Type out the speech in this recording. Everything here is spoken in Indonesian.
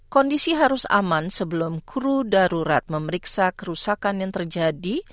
kondisi harus aman sebelum kru darurat memeriksa kerusakan yang terjadi